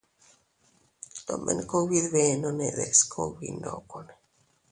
Tomen kugbi dbenonne deʼes kugbi ndokonne.